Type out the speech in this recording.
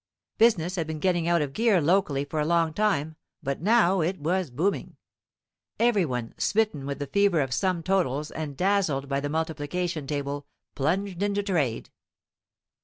Business had been getting out of gear locally for a long time, but now it was booming. Every one, smitten with the fever of sum totals and dazzled by the multiplication table, plunged into trade.